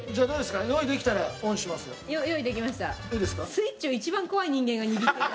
スイッチを一番怖い人間が握っている。